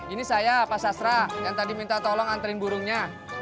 ini saya pak sastra yang tadi minta tolong antri burungnya